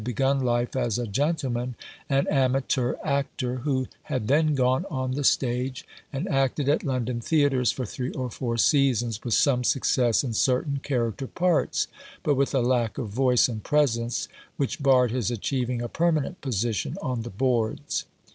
begun life as a gentleman and amateur actor, who had then gone on the stage, and acted at London theatres for three or four seasons, with some success in certain character parts, but with a lack of voice and presence which barred his achieving a permanent position on the boards.